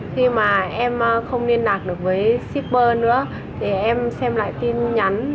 khi mà em không liên lạc được với shipper nữa thì em xem lại tin nhắn